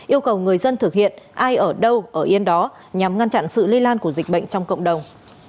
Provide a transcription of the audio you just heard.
yêu cầu người dân thực hiện ai ở đâu ở yên đó nhằm ngăn chặn sự lây lan của dịch bệnh trong cộng đồng